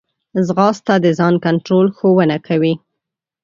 ځغاسته د ځان کنټرول ښوونه کوي